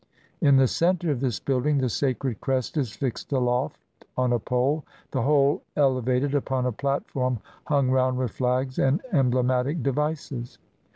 In the center of this building the sacred crest is fixed aloft on a pole, the whole elevated upon a platform hung round with flags and emblematic devices.